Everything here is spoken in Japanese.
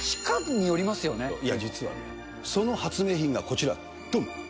いや、実はね、その発明品がこちら、どん。